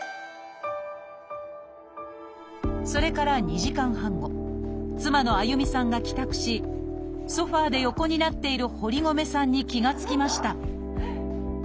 それから２時間半後妻のあゆみさんが帰宅しソファーで横になっている堀米さんに気が付きました